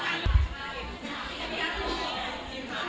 สวัสดีครับ